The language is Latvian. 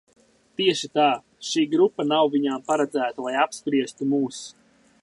Tieši tā. Šī grupa nav viņām paredzēta, lai apspriestu mūs.